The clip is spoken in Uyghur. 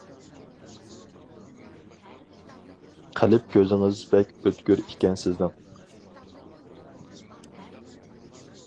-قەلب كۆزىڭىز بەك ئۆتكۈر ئىكەن سىزنىڭ.